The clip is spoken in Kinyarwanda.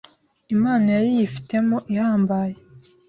impano yari yifitemo ihambaye